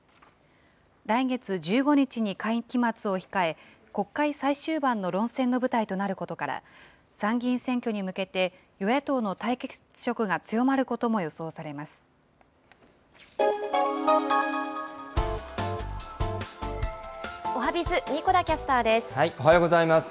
来月１５日に会期末を控え、国会最終盤の論戦の舞台となることから、参議院選挙に向けて、与野党の対決色が強まることも予想されおはＢｉｚ、神子田キャスタおはようございます。